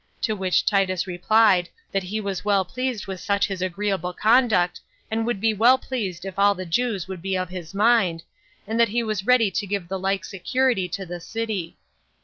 To which Titus replied, that he was well pleased with such his agreeable conduct, and would be well pleased if all the Jews would be of his mind, and that he was ready to give the like security to the city.